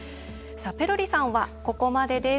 ペロリさんはここまでです。